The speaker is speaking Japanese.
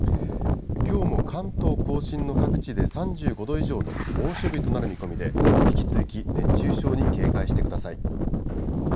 きょうも関東甲信の各地で３５度以上の猛暑日となる見込みで、引き続き熱中症に警戒してください。